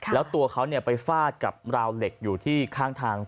แล้วตัวเขาไปฟาดกับราวเหล็กอยู่ที่ข้างทาง